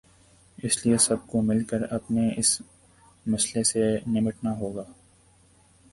اس لیے سب کو مل کر اپنے اس مسئلے سے نمٹنا ہو گا۔